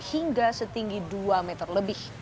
hingga setinggi dua meter lebih